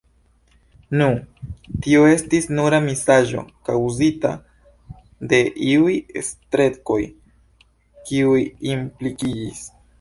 Nu, tio estis nura misaĵo, kaŭzita de iuj strekoj, kiuj implikiĝis.